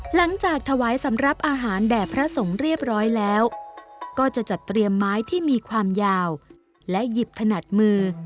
หลังจากถวายสำหรับอาหารแด่พระสงฆ์เรียบร้อยแล้วก็จะจัดเตรียมไม้ที่มีความยาวและหยิบถนัดมือ